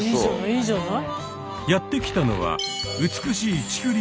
いいじゃない。